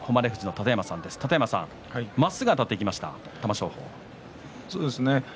楯山さん、まっすぐあたっていった玉正鳳ですね。